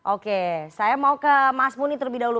oke saya mau ke mas muni terlebih dahulu